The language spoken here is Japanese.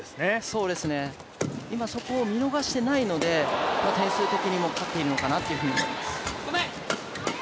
そうですね、今そこを見逃していないので点数的にも勝っているのかなと思います。